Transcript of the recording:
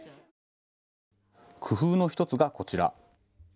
工夫の１つがこちら。